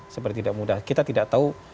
seperti tidak mudah kita tidak tahu